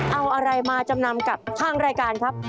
เอาอะไรมาจำนำกับทางรายการครับ